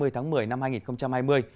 hai mươi tháng một mươi năm hai nghìn hai mươi